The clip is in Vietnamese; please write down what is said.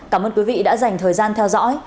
cảm ơn quý vị đã dành thời gian theo dõi